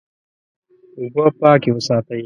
اوبه پاکې وساتئ.